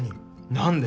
何で？